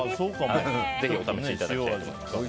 ぜひお試しいただきたいと思います。